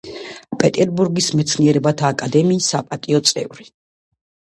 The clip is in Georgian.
პეტერბურგის მეცნიერებათა აკადემიის საპატიო წევრი.